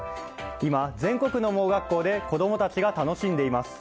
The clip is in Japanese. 今、全国の盲学校で子供たちが楽しんでいます。